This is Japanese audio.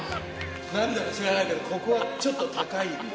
なんだか知らないけど、ここはちょっと高いんだ。